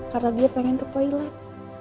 karena dia pengen ke toilet